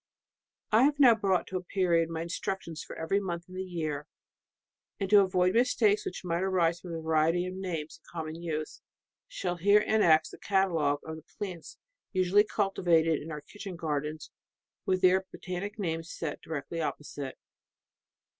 I have now brought to a period my instruc* lions for every month in the year. And to avoid mistakes which might arise from the variety of names in common use, shall here annex a catalogue of the plants usually culti vated in our kitchen gardens, with their bo tanic names set directly opposite.